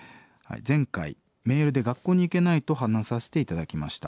「前回メールで学校に行けないと話させて頂きました。